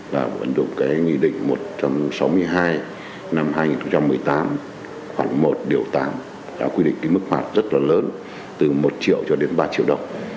và vận dụng cái nghị định một trăm sáu mươi hai năm hai nghìn một mươi tám khoảng một điều tám đã quy định cái mức phạt rất là lớn từ một triệu cho đến ba triệu đồng